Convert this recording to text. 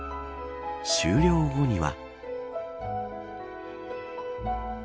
終了後には。